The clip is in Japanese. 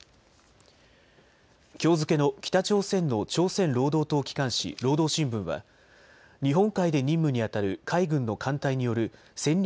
きょう付けの北朝鮮の朝鮮労働党機関紙、労働新聞は日本海で任務にあたる海軍の艦隊による戦略